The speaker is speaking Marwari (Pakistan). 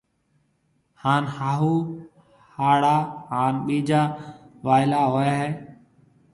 ھان ھاھُو ھاڙا ھان ٻِيجا وائلا ھوئيَ ھيََََ